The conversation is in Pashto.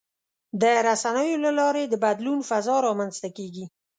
د رسنیو له لارې د بدلون فضا رامنځته کېږي.